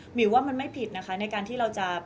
มิวว่ามันไม่ผิดนะคะในการที่เราจะ